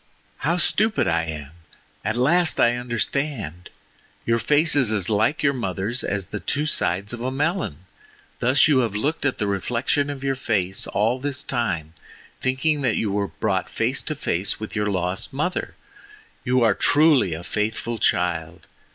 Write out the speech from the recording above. "How stupid I am! At last I understand. Your face is as like your mother's as the two sides of a melon—thus you have looked at the reflection of your face all this time, thinking that you were brought face to face with your lost mother! You are truly a faithful child.